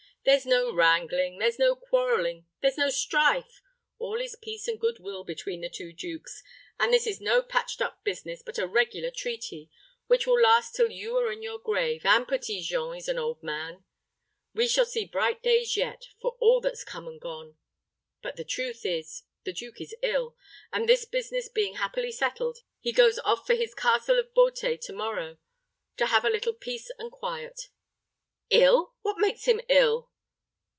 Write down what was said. There's no wrangling, there's no quarreling, there's no strife. All is peace and good will between the two dukes; and this is no patched up business, but a regular treaty, which will last till you are in your grave, and Petit Jean is an old man. We shall see bright days yet, for all that's come and gone. But the truth is, the duke is ill, and this business being happily settled, he goes off for his Castle of Beauté to morrow, to have a little peace and quiet." "Ill! what makes him ill?"